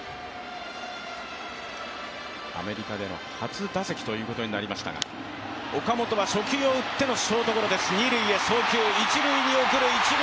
アメリカでの初打席ということになりましたが岡本は初球を打ってのショートゴロです。